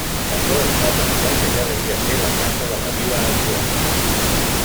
Això ens fa pensar que ja devia ser la casa de la vila actual.